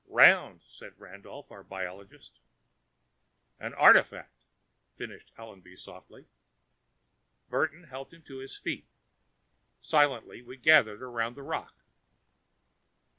"Round," said Randolph, our biologist. "An artifact," finished Allenby softly. Burton helped him to his feet. Silently we gathered around the rock.